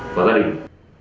và gia đình